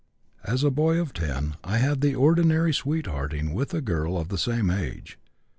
"As a boy of 10 I had the ordinary sweethearting with a girl of the same age.